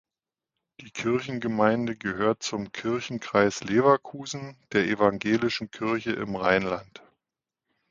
Die Kirchengemeinde gehört zum Kirchenkreis Leverkusen der Evangelischen Kirche im Rheinland.